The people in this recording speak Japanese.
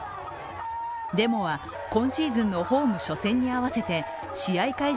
デモは今シーズンのホーム初戦に合わせて試合会場